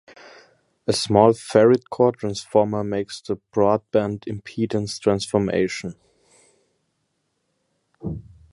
A small ferrite core transformer makes the broad band impedance transformation.